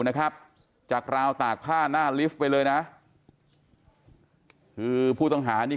นะครับจากราวตากผ้าหน้าลิฟต์ไปเลยนะคือผู้ต้องหานี่